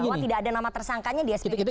bahwa tidak ada nama tersangkanya di spbu